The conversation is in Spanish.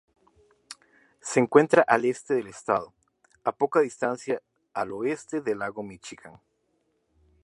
Se encuentra al este del estado, a poca distancia al oeste del lago Míchigan.